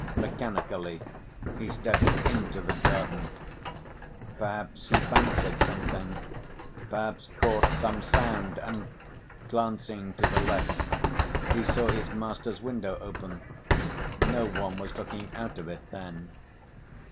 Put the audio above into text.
Mechanically he stepped into the garden. Perhaps he fancied something, perhaps caught some sound, and, glancing to the left he saw his master's window open. No one was looking out of it then.